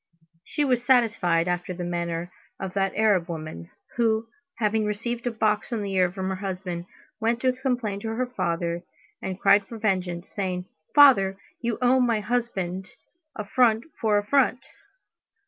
She was satisfied after the manner of that Arab woman, who, having received a box on the ear from her husband, went to complain to her father, and cried for vengeance, saying: "Father, you owe my husband affront for affront."